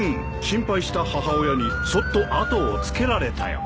心配した母親にそっと後をつけられたよ。